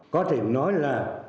có thể nói là